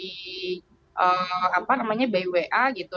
jadi apa namanya bwa gitu